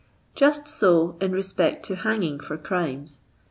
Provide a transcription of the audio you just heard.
Just so in respect to hanging for crimes.